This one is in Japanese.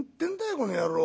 この野郎。